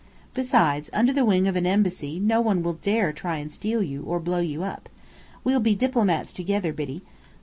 Besides, under the wing of an Embassy no one will dare to try and steal you, or blow you up. We'll be diplomats together, Biddy.